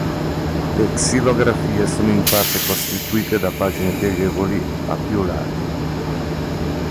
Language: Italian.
Le xilografie sono in parte costituite da pagine pieghevoli a più lati.